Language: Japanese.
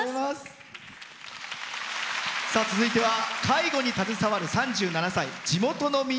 続いては介護に携わる３７歳。